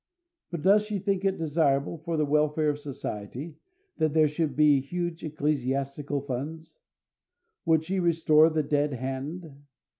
But does she think it desirable for the welfare of society that there should be huge ecclesiastical funds? Would she restore the dead hand?